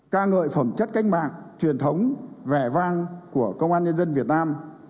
ca ngợi phẩm chất cách mạng truyền thống vẻ vang của công an nhân dân việt nam